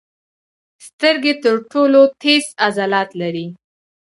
سترګې تر ټولو تېز عضلات لري.